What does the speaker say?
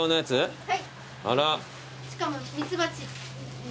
はい。